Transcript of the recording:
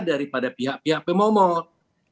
daripada pihak pihak pemomot